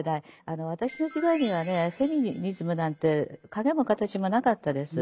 私の時代にはねフェミニズムなんて影も形もなかったです。